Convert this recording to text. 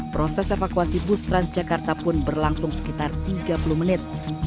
proses evakuasi bus transjakarta pun berlangsung sekitar tiga puluh menit